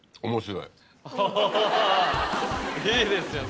いいですよね。